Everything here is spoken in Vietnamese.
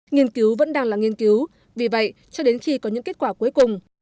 nghiên cứu vẫn đang là nghiên cứu vì vậy cho đến khi có những kết quả cuối cùng